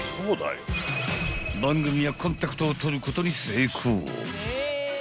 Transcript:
［番組はコンタクトを取ることに成功］